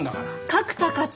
角田課長。